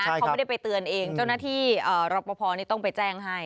เขาไม่ได้ไปเตือนเองเจ้าหน้าที่รอปภต้องไปแจ้งให้